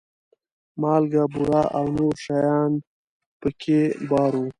مالګه، بوره او نور شیان په کې بار وو.